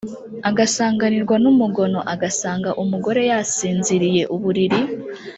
agasanganirwa n’umugono, agasanga umugore yasinziriye uburiri